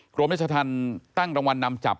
กรมเย็นชะทันตั้งรางวัลนำจับ